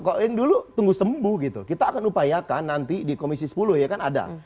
kok yang dulu tunggu sembuh gitu kita akan upayakan nanti di komisi sepuluh ya kan ada